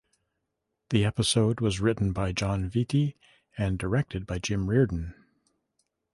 The episode was written by Jon Vitti and directed by Jim Reardon.